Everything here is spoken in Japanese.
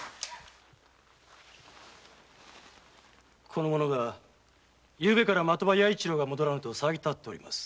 この者が昨夜から的場弥一郎が戻らぬと騒ぎ立てております。